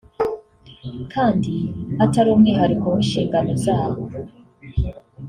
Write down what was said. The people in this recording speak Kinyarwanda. kandi atari umwihariko w’inshingano zabo